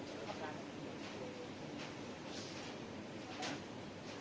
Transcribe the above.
สวัสดีครับ